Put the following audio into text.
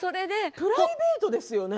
プライベートですよね。